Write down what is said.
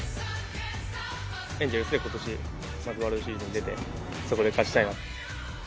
エンゼルスでことし、まずワールドシリーズに出て、そこで勝ちたいなと。